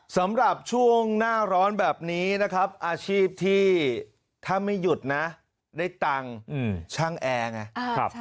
สำหรับช่วงหน้าร้อนแบบนี้นะครับอาชีพที่ถ้าไม่หยุดนะได้ตังค์ช่างแอร์ไง